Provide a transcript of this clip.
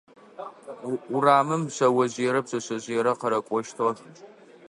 Урамым шъэожъыерэ пшъэшъэжъыерэ къырыкӏощтыгъэх.